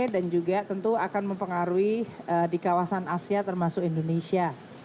dan juga tentu akan mempengaruhi di kawasan asia termasuk indonesia